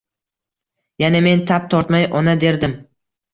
Yana men tap tortmay Ona derdim